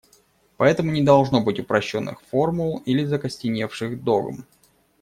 Поэтому не должно быть упрощенных формул или закостеневших догм.